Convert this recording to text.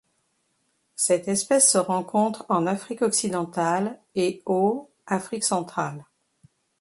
Cette espèce se rencontre en Afrique occidentale et au Afrique centrale.